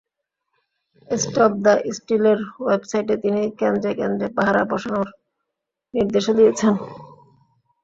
Stop the স্টিলের ওয়েবসাইটে তিনি কেন্দ্রে কেন্দ্রে পাহারা বসানোর নির্দেশও দিয়েছেন।